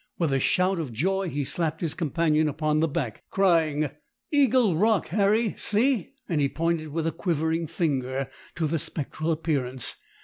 With a shout of joy he slapped his companion upon the back, crying,— "Eagle Rock, Harry. See!" and he pointed with a quivering finger to the spectral appearance.